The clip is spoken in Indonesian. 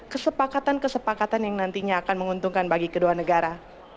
kesepakatan kesepakatan yang nantinya akan menguntungkan bagi kedua negara